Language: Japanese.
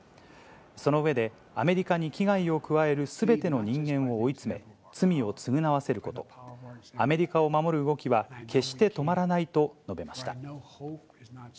その上で、アメリカに危害を加えるすべての人間を追い詰め、罪を償わせること、アメリカを守る動きは決して止まらないと述べました。